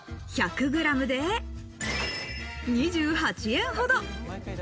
１００グラムで２８円ほど。